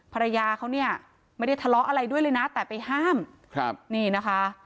ภรรยาเขาเนี่ยไม่ได้ทะเลาะอะไรด้วยเลยนะแต่ไปห้ามครับนี่นะคะ